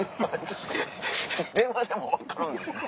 電話でも分かるんですね。